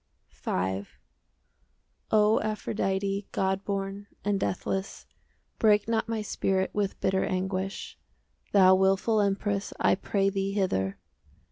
V O Aphrodite, God born and deathless, Break not my spirit With bitter anguish: Thou wilful empress, 5 I pray thee, hither!